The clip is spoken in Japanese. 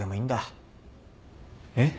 えっ？